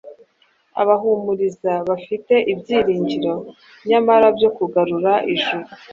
abahumuriza bafite ibyiringiro nyamara byo kugarura Ijuru,